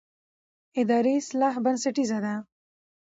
اداري اصلاح بنسټیزه ده